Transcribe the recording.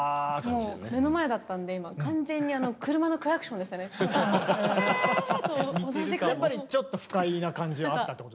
もう目の前だったんで今完全にやっぱりちょっと不快な感じはあったってことだね。